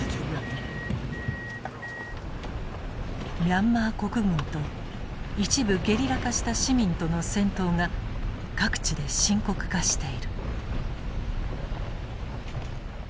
ミャンマー国軍と一部ゲリラ化した市民との戦闘が各地で深刻化している。